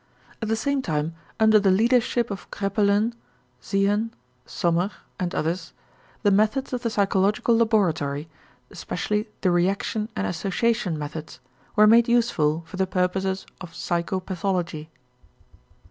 At the same time, under the leadership of Kraepelin, Ziehen, Sommer, and others, the methods of the psychological laboratory, especially the reaction and association methods, were made useful for the purposes of psychopathology.